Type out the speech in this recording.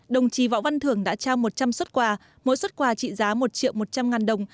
đồng chí võ văn thưởng đã trao một trăm linh xuất quà mỗi xuất quà trị giá một triệu một trăm linh ngàn đồng